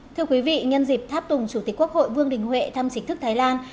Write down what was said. thưa quý vị nhân dịp tháp tùng chủ tịch quốc hội vương đình huệ thăm chính thức thái lan